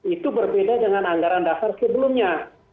itu berbeda dengan anggaran dasar sebelumnya